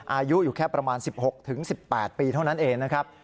อายุอยู่แค่ประมาณ๑๖๑๘ปีเท่านั้นเองนะครับ